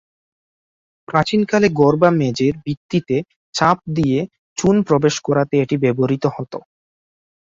প্রাচীনকালে ঘর বা মেঝের ভিত্তিতে চাপ দিয়ে চুন প্রবেশ করাতে এটি ব্যবহৃত হত।